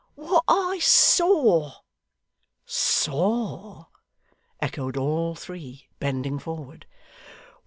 'What I saw.' 'Saw!' echoed all three, bending forward.